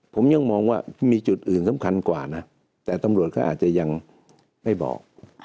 ผมยังมองว่ามีจุดอื่นสำคัญกว่านะแต่ตำรวจก็อาจจะยังไม่บอก